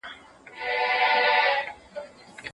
ډیپلوماټیکې خبري باید رڼې وي.